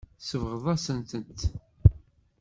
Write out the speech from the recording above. Tsebɣeḍ-asent-t.